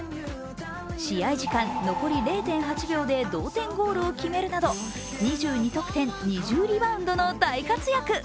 試合時間残り０．８秒で同点ゴールを決めるなど２２得点２０リバウンドの大活躍。